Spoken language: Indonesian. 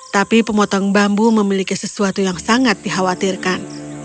tapi pemotong bambu memiliki sesuatu yang sangat dikhawatirkan